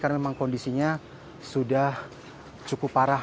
karena memang kondisinya sudah cukup parah